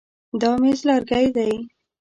دا مېز لرګی دی.